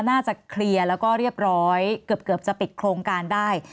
น่าจะเคลียร์แล้วก็เรียบร้อยเกือบจะปิดโครงการได้